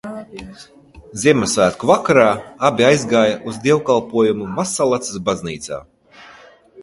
Ziemassvētku vakarā abi aizgāja uz dievkalpojumu Mazsalacas baznīcā.